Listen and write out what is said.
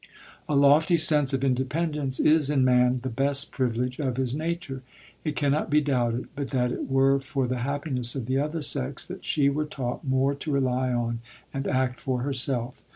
A lofty sense of independence is, in man, the best privilege of his nature. It cannot be doubted, but that it were for the happiness of the other sex that she were taught more to rely on and act for herself.